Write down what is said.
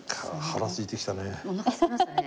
おなかすきましたね。